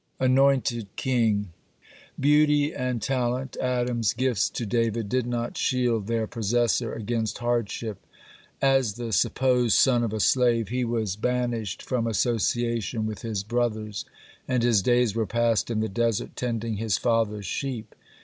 ANOINTED KING Beauty and talent, Adam's gifts to David, did not shield their possessor against hardship. As the supposed son of a slave, he was banished from association with his brothers, and his days were passed in the desert tending his father's sheep.